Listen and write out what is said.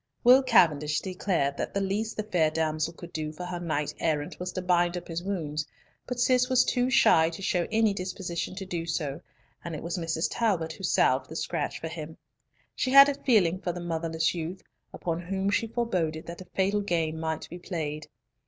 Will Cavendish declared that the least the fair damsel could do for her knight errant was to bind up his wounds, but Cis was too shy to show any disposition so to do, and it was Mrs. Talbot who salved the scratch for him. She had a feeling for the motherless youth, upon whom she foreboded that a fatal game might be played.